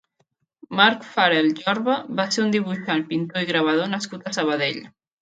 Marc Farell Jorba va ser un dibuixant, pintor i gravador nascut a Sabadell.